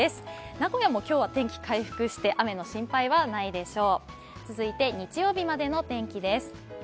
名古屋も今日は天気回復して雨の心配はないでしょう。